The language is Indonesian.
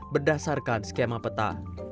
berdasarkan skema peta